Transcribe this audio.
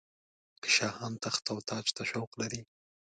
که شاهان تخت او تاج ته شوق لري.